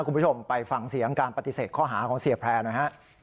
คุณผู้ชมไปฟังเสียงการปฏิเสธข้อหาของเสียแพร่หน่อยฮะ